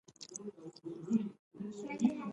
قومونه د افغانستان د اقتصادي منابعو ارزښت زیاتوي.